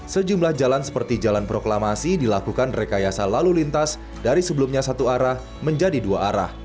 sejumlah jalan seperti jalan proklamasi dilakukan rekayasa lalu lintas dari sebelumnya satu arah menjadi dua arah